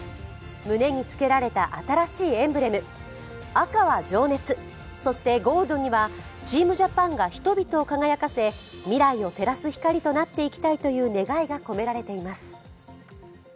赤は情熱、そしてゴールドにはチームジャパンが人々を輝かせ未来を照らす光となっていきたいという願いが込められています。